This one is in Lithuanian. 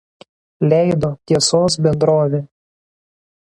Leido „Tiesos“ bendrovė.